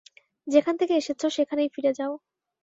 যেখান থেকে এসেছো সেখানেই ফিরে যাও।